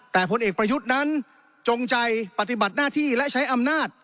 แต่ผลเอกประยุทธ์นั้นจงใจปฏิบัติหน้าที่และใช้อำนาจ